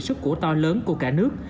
sức của to lớn của cả nước